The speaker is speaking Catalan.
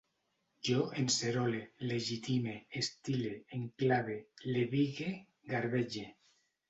Jo encerole, legitime, estile, enclave, levigue, garbege